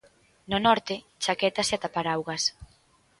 No norte, chaquetas e ata paraugas.